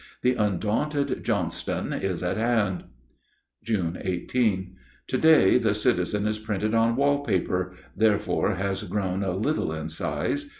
The undaunted Johnston is at hand." June 18. To day the "Citizen" is printed on wallpaper; therefore has grown a little in size.